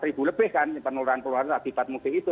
sekitar empat lebih kan penularan keluar dari empat musim itu